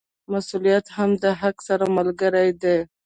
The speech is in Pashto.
مسوولیت هم د حق سره ملګری دی.